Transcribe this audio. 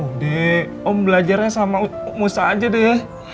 udeh om belajarnya sama musa aja deh